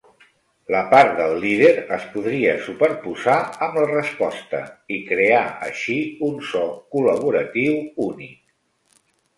La part del líder es podria superposar amb la resposta i crear així un so col·laboratiu únic.